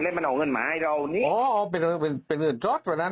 เล่นมันเอาเงินมาให้เรานี่อ๋อเป็นเป็นเป็นเป็นแบบนั้น